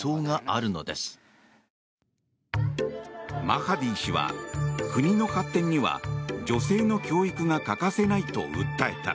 マハディ氏は、国の発展には女性の教育が欠かせないと訴えた。